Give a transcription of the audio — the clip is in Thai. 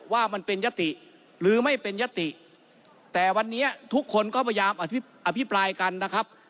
ว่ามันเป็นยติหรือไม่เป็นยติแต่วันนี้ทุกคนก็พยายามอภิปรายกันนะครับ